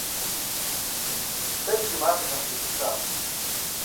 Сэри си макъыр нэхъ къиутӀыпщащ.